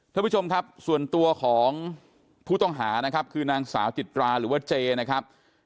ท่านผู้ชมครับส่วนตัวของผู้ต้องหานะครับคือนางสาวจิตราหรือว่าเจนะครับ